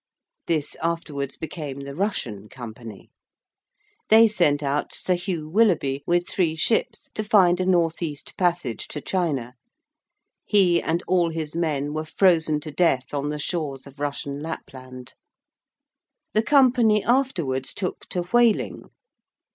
This afterwards became the Russian Company. They sent out Sir Hugh Willoughby with three ships to find a North East passage to China. He and all his men were frozen to death on the shores of Russian Lapland. The Company afterwards took to whaling.